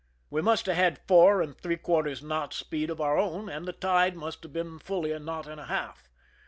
We must have had four and three quarters knots' speed of our own, and the tide must have been fully a knot and a half.